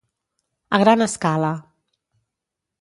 A gran escala.